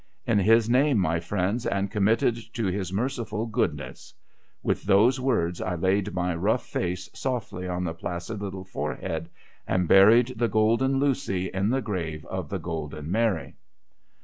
Li His name, my friends, and committed to His merciful goodness !' A\'ith those words I laid my rough face softly on the placid little forehead, and buried the Golden Lucy in the grave of the Golden Mary.